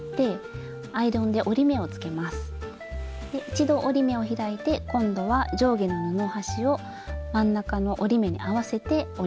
一度折り目を開いて今度は上下の布端を真ん中の折り目に合わせて折ります。